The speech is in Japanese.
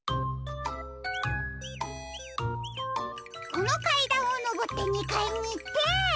このかいだんをのぼって２かいにいって。